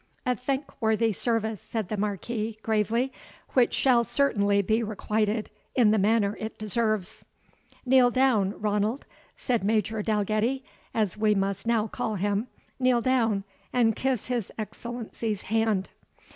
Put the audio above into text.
"A thankworthy service," said the Marquis, gravely, "which shall certainly be requited in the manner it deserves." "Kneel down, Ranald," said Major Dalgetty (as we must now call him), "kneel down, and kiss his Excellency's hand."